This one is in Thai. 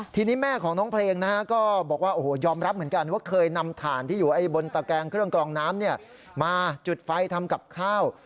ทีนี้แม่ของน้องเพลงนะฮะก็บอกว่าโอ้โหยอมรับเหมือนกันว่าเคยนำถ่านที่อยู่บนตะแกงเครื่องกรองน้ำมาจุดไฟทำกับข้าว